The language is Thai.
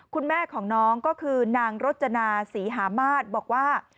คุณแม่ของน้องก็คือนางรจนาศรีหามาศบอกว่า